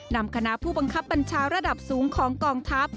นำคณะผู้บังคับบัญชาระดับสูงของกองทัพ